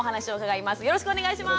よろしくお願いします。